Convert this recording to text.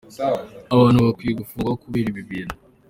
Abantu bakwiye gufungwa kubera ibi bintu.